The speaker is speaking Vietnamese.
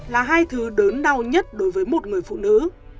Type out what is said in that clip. là hai thứ đớn đau nhất đối với một người phụ nữ